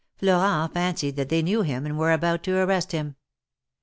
Florent fancied that they knew him, and were about to arrest him.